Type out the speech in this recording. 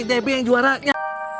debbie yang juaranya